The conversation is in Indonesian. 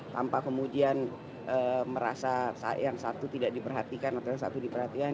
tanpa kemudian merasa yang satu tidak diperhatikan atau yang satu diperhatikan